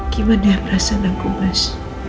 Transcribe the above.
gimana yang rasanya aku mas